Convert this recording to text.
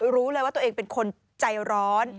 รู้เลยว่าตัวเองเป็นคนใจร้อน